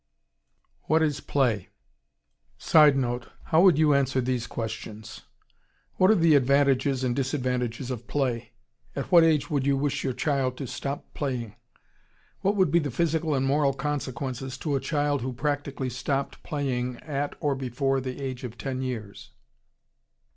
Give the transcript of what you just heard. What is play? [Sidenote: How would you answer these questions?] What are the advantages and disadvantages of play? At what age would you wish your child to stop playing? What would be the physical and moral consequences to a child who practically stopped playing at or before the age of ten years?